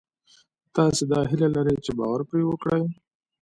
تاسې دا هیله لرئ چې باور پرې وکړئ